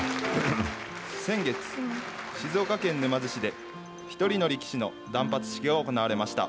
先月、静岡県沼津市で、１人の力士の断髪式が行われました。